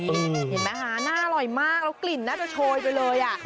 เห็นไหมคะน่าอร่อยมากแล้วกลิ่นน่าจะโชยไปเลยอ่ะ